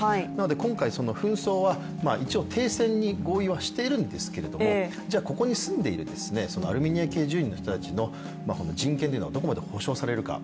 今回、紛争は一応、停戦に合意はしているんですけどもじゃあここに住んでいるアルメニア系の住民の人たちの人権がどこまで保証されるか。